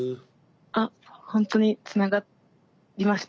あほんとにつながりました。